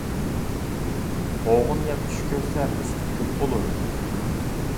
قوغۇن يەپ چۈش كۆرسە رىزقى كۆپ بولۇر.